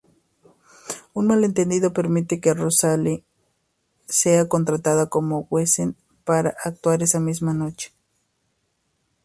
Un malentendido permite que Rosalee sea contratada como wesen para actuar esa misma noche.